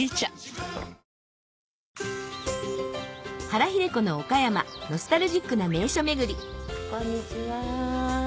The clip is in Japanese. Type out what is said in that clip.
原日出子の岡山ノスタルジックな名所巡りこんにちは。